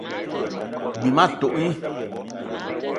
G-beu ma tok gni.